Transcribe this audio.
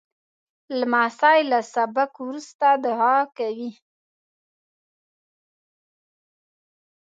لمسی له سبق وروسته دعا کوي.